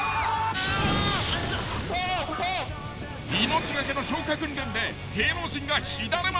［命懸けの消火訓練で芸能人が火だるま］